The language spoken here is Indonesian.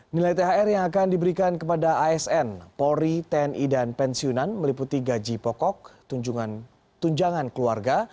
nilai thr yang akan diberikan kepada asn polri tni dan pensiunan meliputi gaji pokok tunjangan keluarga